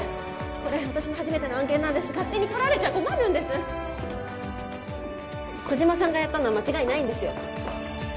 これ私の初めての案件なんです勝手に取られちゃ困るんです小島さんがやったのは間違いないんですよ